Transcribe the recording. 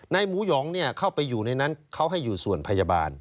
หมูหยองเข้าไปอยู่ในนั้นเขาให้อยู่ส่วนพยาบาล